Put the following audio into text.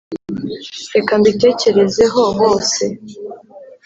reka mbitekerezeho bose